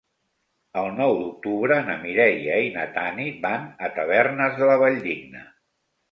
El nou d'octubre na Mireia i na Tanit van a Tavernes de la Valldigna.